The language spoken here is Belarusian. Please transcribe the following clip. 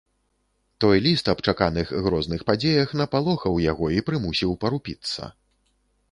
Той ліст аб чаканых грозных падзеях напалохаў яго і прымусіў парупіцца.